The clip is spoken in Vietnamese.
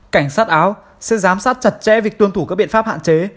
cảnh sát áo sẽ giám sát chặt chẽ việc tuân thủ các biện pháp hạn chế